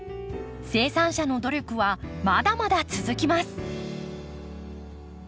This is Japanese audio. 生産者の努力はまだまだ続きます。